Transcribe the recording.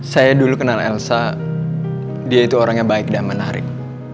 saya dulu kenal elsa dia itu orangnya baik dan menarik